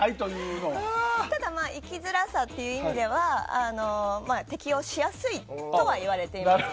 生きづらさという意味では適応しやすいとはいわれています。